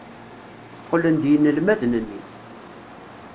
Qqlen-d yinelmaden-nni.